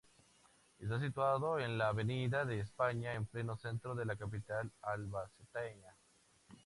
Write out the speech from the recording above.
Está situado en la avenida de España, en pleno Centro de la capital albaceteña.